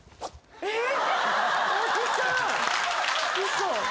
嘘。